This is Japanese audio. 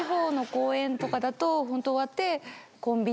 ホント終わって。